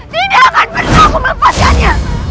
tidak akan pernah aku melepaskannya